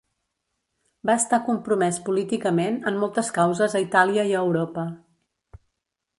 Va estar compromès políticament en moltes causes a Itàlia i a Europa.